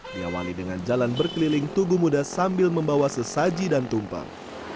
diawali dengan jalan berkeliling tugu muda sambil membawa sesaji dan tumpeng